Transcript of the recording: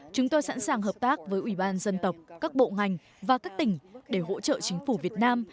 chúng tôi sẵn sàng hợp tác với ủy ban dân tộc các bộ ngành và các tỉnh để hỗ trợ chính phủ việt nam